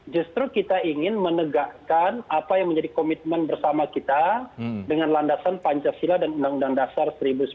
justru kita ingin menegakkan apa yang menjadi komitmen bersama kita dengan landasan pancasila dan undang undang dasar seribu sembilan ratus empat puluh lima